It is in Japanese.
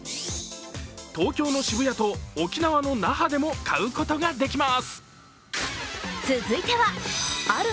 東京の渋谷と沖縄の那覇でも買うことができます。